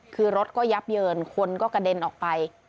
คือรถก็ยับเยินคนก็กระเด็นออกไป